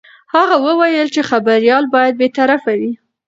هغه وویل چې خبریال باید بې طرفه وي.